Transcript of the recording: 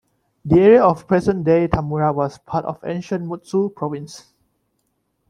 The area of present-day Tamura was part of ancient Mutsu Province.